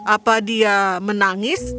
apa dia menangis